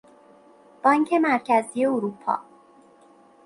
بانک مرکزی اروپا